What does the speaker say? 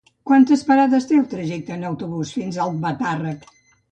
Quantes parades té el trajecte en autobús fins a Albatàrrec?